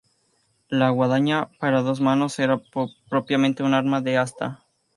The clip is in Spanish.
La guadaña para dos manos era propiamente una arma de asta.